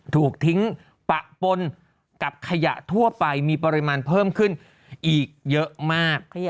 ถูกทิ้งปะปนกับขยะทั่วไปมีปริมาณเพิ่มขึ้นอีกเยอะมาก